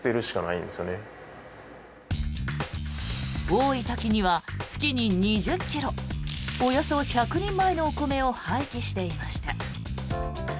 多い時には月に２０ｋｇおよそ１００人前のお米を廃棄していました。